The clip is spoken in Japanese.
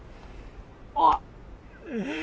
あっ！